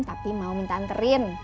tapi mau minta anterin